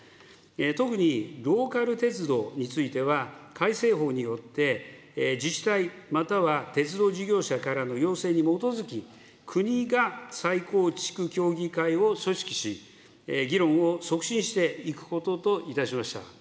特にローカル鉄道については、改正法によって、自治体、または鉄道事業者からの要請に基づき、国が再構築協議会を組織し、議論を促進していくことといたしました。